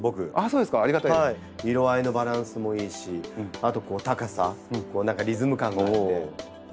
色合いのバランスもいいしあと高さ何かリズム感があって。